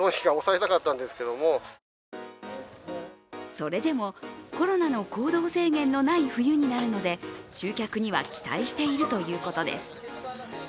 それでもコロナの行動制限のない冬になるので集客には期待しているということです。